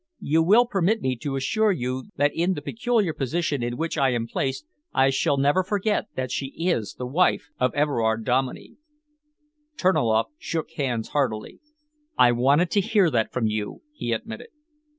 You will permit me to assure you that in the peculiar position in which I am placed I shall never forget that she is the wife of Everard Dominey." Terniloff shook hands heartily. "I wanted to hear that from you," he admitted.